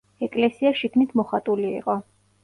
ეკლესია შიგნით მოხატული იყო.